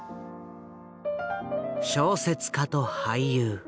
小説家と俳優。